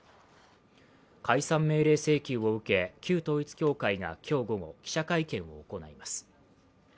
解散命令請求を受け、旧統一教会が今日午後、記者会見を行います。